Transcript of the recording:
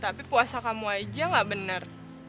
tapi puasa kamu aja gak bener